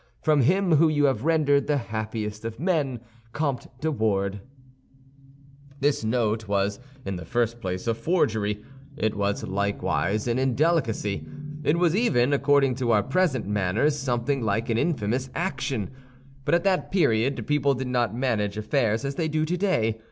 From him whom you have rendered the happiest of men, COMTE DE WARDES This note was in the first place a forgery; it was likewise an indelicacy. It was even, according to our present manners, something like an infamous action; but at that period people did not manage affairs as they do today.